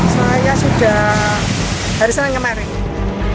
saya sudah hari ini saya yang ngemerik